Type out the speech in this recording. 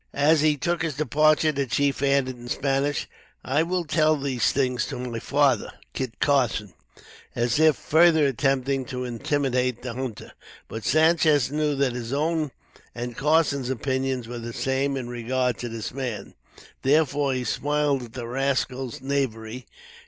As he took his departure, the chief added, in Spanish, "I will tell these things to my father, Kit Carson," as if further attempting to intimidate the hunter; but Sanchez knew that his own and Carson's opinions were the same in regard to this man; therefore, he smiled at the rascal's knavery.